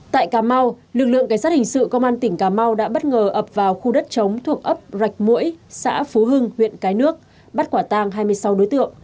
tại cà mau lực lượng cảnh sát hình sự công an tỉnh cà mau đã bất ngờ ập vào khu đất chống thuộc ấp rạch mũi xã phú hưng huyện cái nước bắt quả tang hai mươi sáu đối tượng